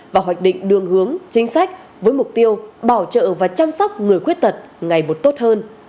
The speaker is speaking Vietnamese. và hoạch định đường hướng chính sách với mục tiêu bảo trợ và chăm sóc người khuyết tật ngày một tốt hơn